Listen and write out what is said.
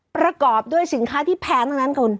ประกอบด้วยสินค้าที่แพงทั้งนั้นคุณ